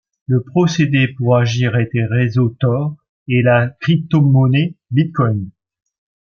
Le procédé pour agir était réseau Tor et la cryptomonnaie Bitcoin.